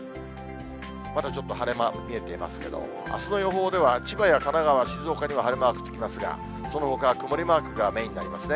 まだちょっと晴れマーク見えていますけど、あすの予報では千葉や神奈川、静岡には晴れマークつきますが、そのほか、曇りマークがメインになりますね。